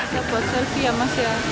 saya buat selfie ya mas ya